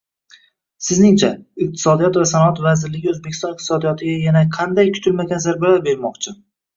Sizningcha, Iqtisodiyot va sanoat vazirligi O'zbekiston iqtisodiyotiga yana qanday kutilmagan zarbalar bermoqchi?